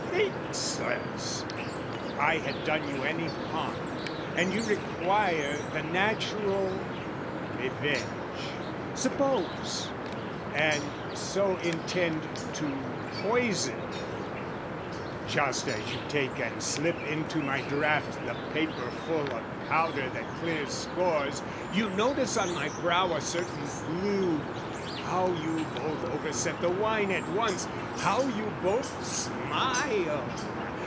Think, Sirs, if I had done you any harm, And you require the natural revenge, Suppose, and so intend to poison me, Just as you take and slip into my draught The paperful of powder that clears scores, You notice on my brow a certain blue: How you both overset the wine at once! How you both smile!